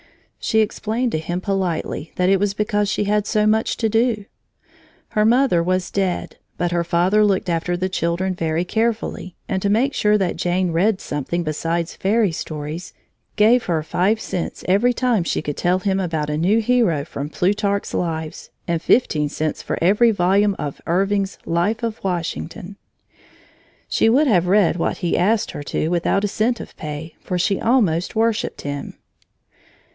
She explained to him politely that it was because she had so much to do. Her mother was dead, but her father looked after the children very carefully, and to make sure that Jane read something besides fairy stories, gave her five cents every time she could tell him about a new hero from Plutarch's Lives and fifteen cents for every volume of Irving's Life of Washington. She would have read what he asked her to without a cent of pay, for she almost worshiped him.